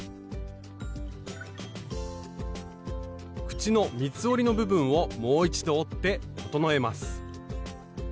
口の三つ折りの部分をもう一度折って整えます。